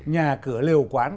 nhà cửa liều quán